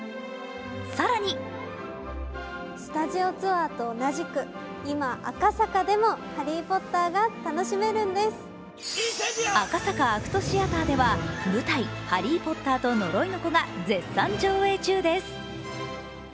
更に赤坂ＡＣＴシアターでは舞台「ハリー・ポッターと呪いの子」が絶賛上映中です。